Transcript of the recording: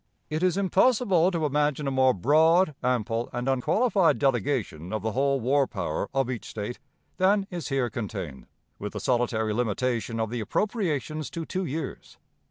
"It is impossible to imagine a more broad, ample, and unqualified delegation of the whole war power of each State than is here contained, with the solitary limitation of the appropriations to two years.